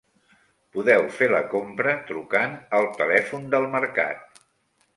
Podeu fer la compra trucant al telèfon del mercat.